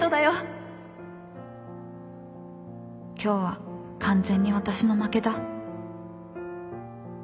今日は完全に私の負けだ。